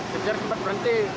kejar sempat berhenti